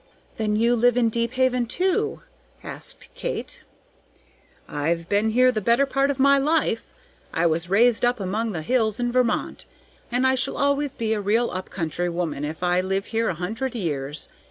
"Then you live in Deephaven too?" asked Kate. "I've been here the better part of my life. I was raised up among the hills in Vermont, and I shall always be a real up country woman if I live here a hundred years.